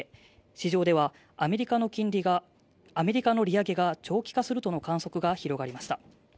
市場ではアメリカの金利がアメリカの利上げが長期化するとの観測が広がりました